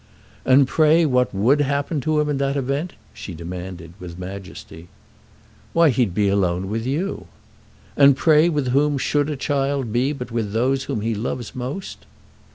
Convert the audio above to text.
"And pray what would happen to him in that event?" she demanded, with majesty. "Why he'd be alone with you." "And pray with whom should a child be but with those whom he loves most?"